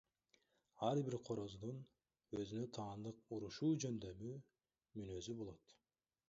Ар бир короздун өзүнө таандык урушуу жөндөмү, мүнөзү болот.